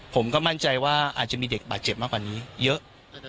ผมก็มั่นใจว่าอาจจะมีเด็กบาดเจ็บมากกว่านี้เยอะ